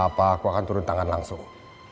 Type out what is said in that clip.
kalau ada apa apa aku akan turun tangan langsung